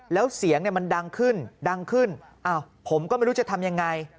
แล้วเสียงมันดังขึ้นดังขึ้นผมก็ไม่รู้จะทำยังไง